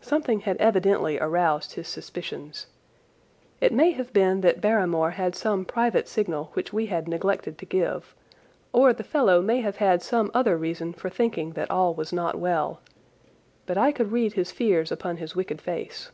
Something had evidently aroused his suspicions. It may have been that Barrymore had some private signal which we had neglected to give, or the fellow may have had some other reason for thinking that all was not well, but I could read his fears upon his wicked face.